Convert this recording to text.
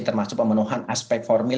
termasuk pemenuhan aspek formil